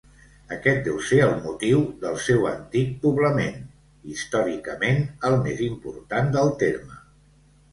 Aquest deu ser el motiu del seu antic poblament, històricament el més important del terme.